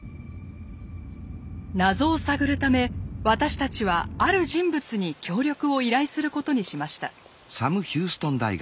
謎を探るため私たちはある人物に協力を依頼することにしました。